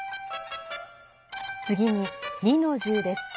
次に二の重です。